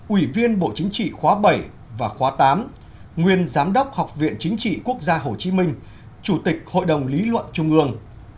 ủy viên bộ chính trị khóa bảy và khóa tám nguyên giám đốc học viện chính trị quốc gia hồ chí minh chủ tịch hội đồng lý luận trung ương